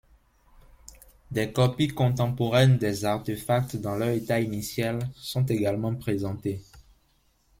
Des copies contemporaines des artefacts, dans leur état initial, sont également présentées.